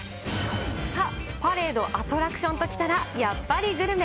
さあ、パレード、アトラクションときたら、やっぱりグルメ。